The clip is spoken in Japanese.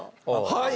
はい。